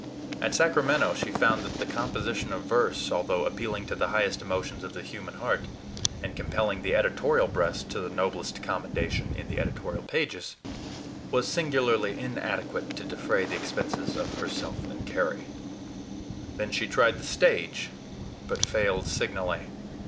At Sacramento she found that the composition of verse, although appealing to the highest emotions of the human heart, and compelling the editorial breast to the noblest commendation in the editorial pages, was singularly inadequate to defray the expenses of herself and Carry. Then she tried the stage, but failed signally.